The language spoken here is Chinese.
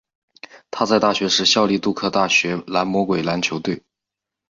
他在大学时效力杜克大学蓝魔鬼篮球队。